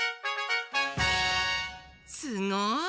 すごい！